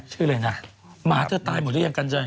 ชื่ออะไรนะหมาเธอตายหมดหรือยังกันเจ้า